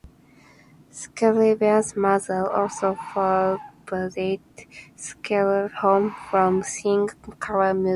Schreiber's mother also forbade Schreiber from seeing color movies.